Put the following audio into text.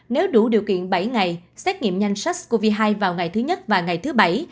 nếu đủ điều kiện bảy ngày xét nghiệm nhanh sars cov hai vào ngày thứ nhất và ngày thứ bảy